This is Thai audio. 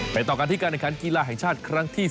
ต่อกันที่การแข่งขันกีฬาแห่งชาติครั้งที่๓